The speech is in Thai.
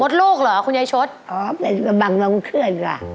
ลูกเหรอคุณยายชดอ๋อเป็นกระบังน้องเคลื่อนว่ะ